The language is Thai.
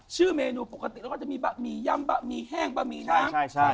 ชื่อเมนูปกติเราก็จะมีบะหมี่ยำบะหมี่แห้งบะหมี่น้ำ